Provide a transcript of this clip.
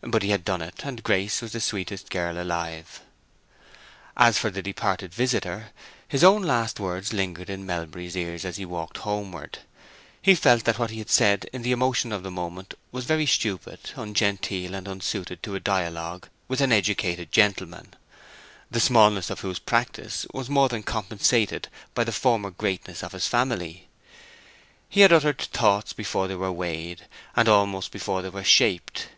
But he had done it, and Grace was the sweetest girl alive. As for the departed visitor, his own last words lingered in Melbury's ears as he walked homeward; he felt that what he had said in the emotion of the moment was very stupid, ungenteel, and unsuited to a dialogue with an educated gentleman, the smallness of whose practice was more than compensated by the former greatness of his family. He had uttered thoughts before they were weighed, and almost before they were shaped.